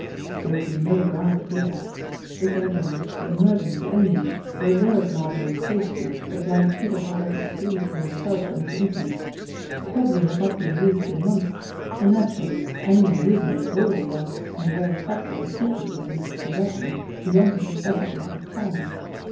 There would be no guard here. This en trance was for emergency only, a reserve margin of safety that Blind Peter held up his sleeve for himself and his inti mates; it probably had not been used in months, and natu rally any one using it at all was, in the very fact that the secret was in his possession, beyond the necessity of chal lenge.